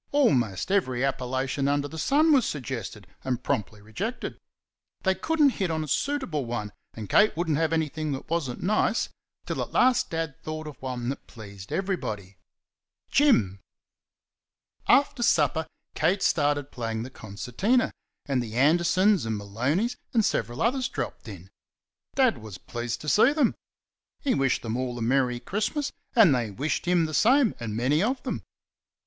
Almost every appellation under the sun was suggested and promptly rejected. They could n't hit on a suitable one, and Kate would n't have anything that was n't nice, till at last Dad thought of one that pleased everybody "Jim!" After supper, Kate started playing the concertina, and the Andersons and Maloneys and several others dropped in. Dad was pleased to see them; he wished them all a merry Christmas, and they wished him the same and many of them.